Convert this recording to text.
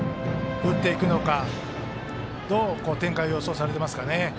打っていくのかどう展開を予想されていますかね。